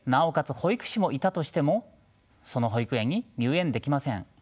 保育士もいたとしてもその保育園に入園できません。